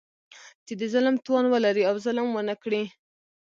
چې د ظلم توان ولري او ظلم ونه کړي.